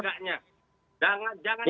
jangan dipermainkan kebanyakannya